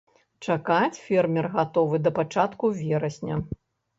Чакаць фермер гатовы да пачатку верасня.